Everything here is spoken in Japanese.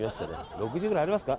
６０くらいありますか？